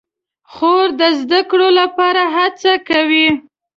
خور د زده کړو لپاره هڅه کوي.